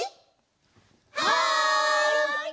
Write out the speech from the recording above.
はい！